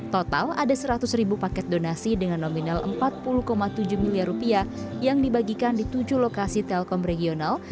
total ada seratus ribu paket donasi dengan nominal rp empat puluh tujuh miliar rupiah yang dibagikan di tujuh lokasi telkom regional